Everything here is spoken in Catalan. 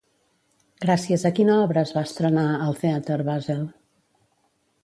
Gràcies a quina obra es va estrenar al Theater Basel?